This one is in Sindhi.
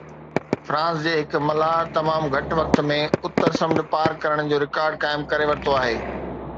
فرانس جي هڪ ملاح تمام گهٽ وقت ۾ اتر سمنڊ پار ڪرڻ جو رڪارڊ قائم ڪري ورتو آهي